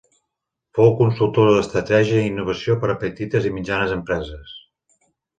Fou consultor d'estratègia i innovació per a petites i mitjanes empreses.